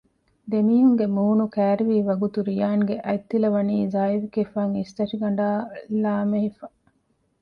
ދެމީހުންގެ މޫނު ކައިރިވީވަގުތު ރިޔާނާގެ އަތްތިލަވަނީ ޒާއިފްގެ ފަންއިސްތަށިގަނޑާއި ލާމެހިފަ